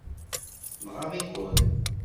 Nɣaḍ-iken?